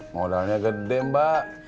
modalnya gede mbak